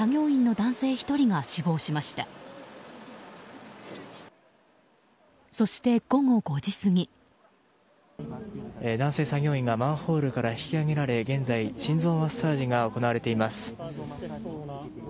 男性作業員がマンホールから引き上げられ、現在心臓マッサージが行われています。